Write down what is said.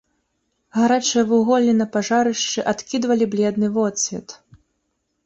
Гарачыя вуголлі на пажарышчы адкідвалі бледны водсвет.